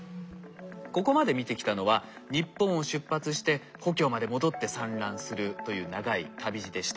ここまで見てきたのは日本を出発して故郷まで戻って産卵するという長い旅路でした。